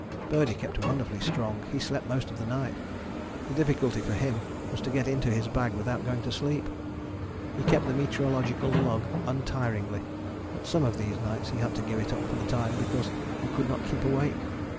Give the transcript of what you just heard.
Birdie kept wonderfully strong: he slept most of the night: the difficulty for him was to get into his bag without going to sleep. He kept the meteorological log untiringly, but some of these nights he had to give it up for the time because he could not keep awake.